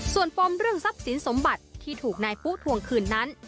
ส่วนฟอร์มเรื่องทรัพย์สินสมบัติที่ถูกนายปุ๊ทวงคืนนั้น